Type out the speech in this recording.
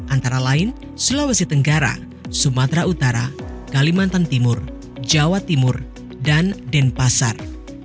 antara lain sulawesi tenggara sumatera utara kalimantan timur jawa timur dan denpasar